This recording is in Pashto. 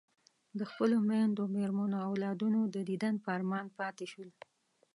د خپلو میندو، مېرمنو او اولادونو د دیدن په ارمان پاتې شول.